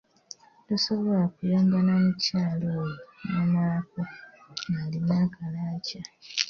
Tosobola kuyomba na mukyala oyo n’omalako ng’alina akalaaca!